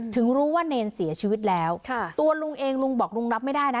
ถึงรู้ว่าเนรเสียชีวิตแล้วค่ะตัวลุงเองลุงบอกลุงรับไม่ได้นะ